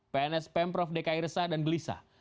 pns pemprov dki resah dan gelisah